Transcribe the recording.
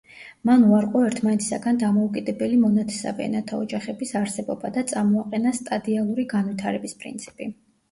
მან უარყო ერთმანეთისაგან დამოუკიდებელი მონათესავე ენათა ოჯახების არსებობა და წამოაყენა სტადიალური განვითარების პრინციპი.